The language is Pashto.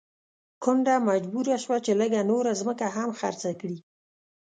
کونډه مجبوره شوه چې لږه نوره ځمکه هم خرڅه کړي.